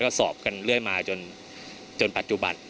ก็สอบกันเรื่อยมาจนปัจจุบัน